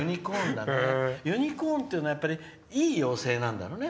ユニコーンっていうのはいい妖精なんだろうね。